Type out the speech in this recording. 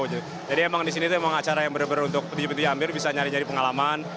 jadi emang disini itu acara yang benar benar untuk petinju petinju amatir bisa nyari nyari pengalaman